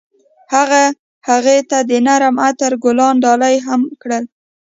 هغه هغې ته د نرم عطر ګلان ډالۍ هم کړل.